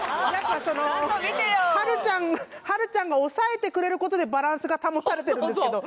もうはるちゃんはるちゃんが抑えてくれることでバランスが保たれてるんですけど